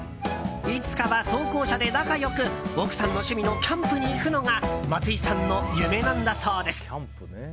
いつかは装甲車で仲良く奥さんの趣味のキャンプに行くのが松井さんの夢なんだそうです。